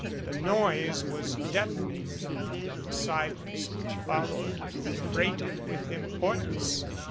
The noise was deafening and the silence which fol lowed freighted with importance.